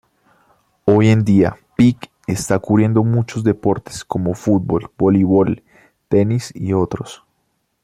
Hoy en día, Peak está cubriendo muchos deportes como fútbol, voleibol, tenis y otros.